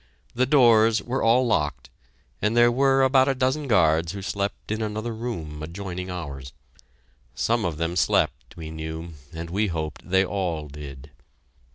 The doors were all locked, and there were about a dozen guards who slept in another room adjoining ours. Some of them slept, we knew, and we hoped they all did.